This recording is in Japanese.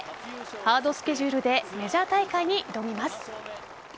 ハードスケジュールでメジャー大会に挑みます。